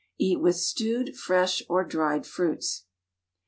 Eat with stewed, fresh, or dried fruits.